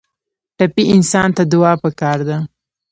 ټپي انسان ته دعا پکار ده.